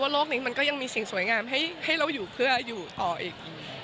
โลกนี้มันก็ยังมีสิ่งสวยงามให้เราอยู่เพื่ออยู่ต่ออีก